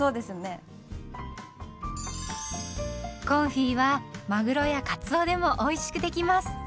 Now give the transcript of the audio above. コンフィはマグロやカツオでもおいしくできます。